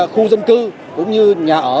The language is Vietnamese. khu dân cư cũng như nhà ở